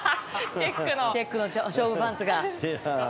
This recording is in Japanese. チェックの勝負パンツが。